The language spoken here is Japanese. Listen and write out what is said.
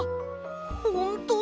ほんとに？